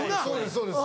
そうです